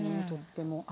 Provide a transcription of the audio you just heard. とっても。